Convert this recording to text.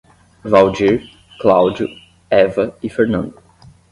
Valdir, Cláudio, Eva e Fernando